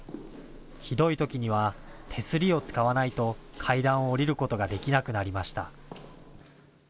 ひどいときには手すりを使わないと階段を下りることができなくなりました。